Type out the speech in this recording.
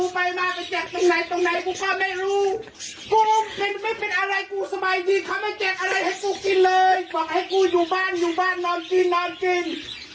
ไม่เป็นอะไรกูสบายดีเขาไม่เจ็บอะไรให้กูกินเลยหวังให้กูอยู่บ้านอยู่บ้านนอนกินนอนกิน